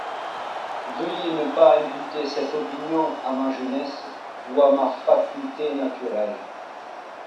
Veuillez ne pas imputer cette opinion à ma jeunesse ou à ma fatuité naturelle.